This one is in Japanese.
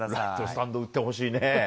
スタンド打ってほしいね。